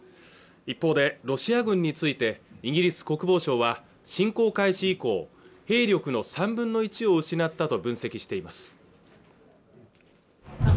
一方でロシア軍についてイギリス国防省は侵攻開始以降兵力の３分の１を失ったと分析しています